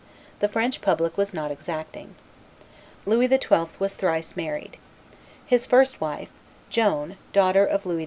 the French public was not exacting. Louis XII. was thrice married. His first wife, Joan, daughter of Louis XI.